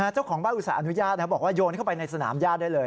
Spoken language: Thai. เจ้าของบ้านอุตส่าหอนุญาตบอกว่าโยนเข้าไปในสนามญาติได้เลย